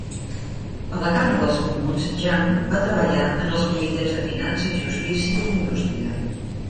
A la Cambra dels Comuns, Jean va treballar en els comitès de Finances, Justícia i Indústria.